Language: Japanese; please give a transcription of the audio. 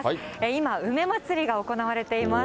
今、梅まつりが行われています。